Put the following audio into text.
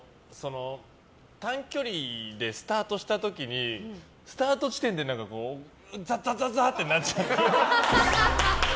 短距離でスタートした時にスタート地点でザザザッてなっちゃうっぽい。